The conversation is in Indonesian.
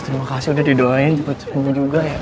terima kasih udah didoain cepet semua juga ya